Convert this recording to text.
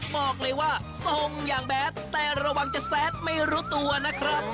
บอกเลยว่าส่งอย่างแบดแต่ระวังจะแซดไม่รู้ตัวนะครับ